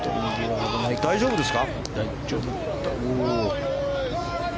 大丈夫ですか。